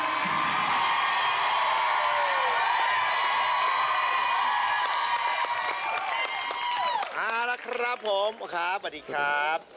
เอาล่ะครับผม